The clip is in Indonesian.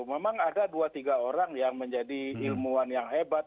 memang ada dua tiga orang yang menjadi ilmuwan yang hebat